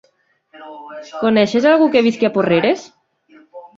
Coneixes algú que visqui a Porreres?